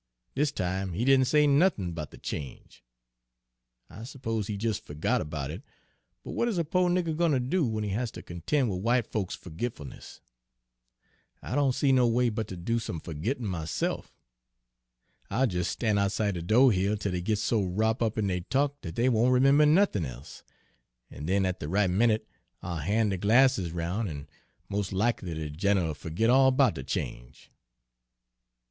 Dis time he didn' say nothin' 'bout de change. I s'pose he jes' fergot erbout it, but w'at is a po' nigger gwine ter do w'en he has ter conten' wid w'ite folks's fergitfulniss? I don' see no way but ter do some fergittin' myse'f. I'll jes' stan' outside de do' here till dey gits so wrop' up in deir talk dat dey won' 'member nothin' e'se, an' den at de right minute I'll ban' de glasses 'roun, an' moa' lackly de gin'l 'll fergit all 'bout de change."